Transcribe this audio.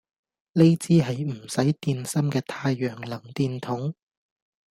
呢支係唔使電芯嘅太陽能電筒